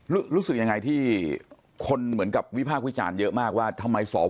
รู้สึกยังไงที่คนเหมือนกับวิพาคคุยชาญเยอะมากว่าทำไมสวตร